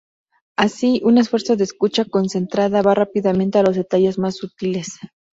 Así, un esfuerzo de escucha concentrada va rápidamente a los detalles más sutiles".